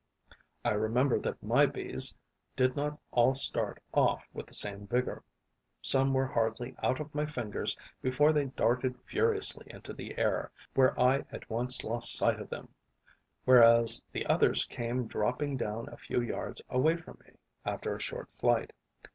I remember that my Bees did not all start off with the same vigour. Some were hardly out of my fingers before they darted furiously into the air, where I at once lost sight of them, whereas the others came dropping down a few yards away from me, after a short flight.